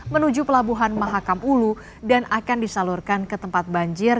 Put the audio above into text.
menuju pelabuhan mahakam ulu dan akan disalurkan ke tempat banjir